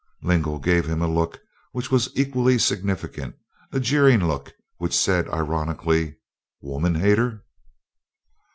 Lingle gave him a look which was equally significant, a jeering look which said ironically, "Woman hater!"